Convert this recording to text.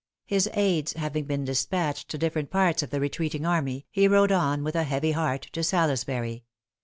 His aids having been despatched to different parts of the retreating army, he rode on with a heavy heart to Salisbury.